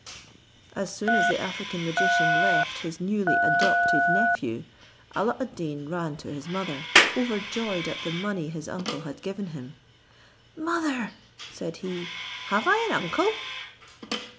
As soon as the African magician left his newly adopted nephew, Alla ad Deen ran to his mother, overjoyed at the money his uncle had given him. "Mother," said he, "have I an uncle?"